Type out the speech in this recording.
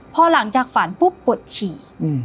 พอหลังจากฝันปุดฉี